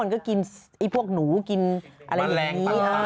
มันก็กินพวกหนูกินอะไรแบบนี้